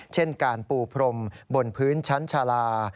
เช่นการปูพรมบนพื้นชั้นชาลา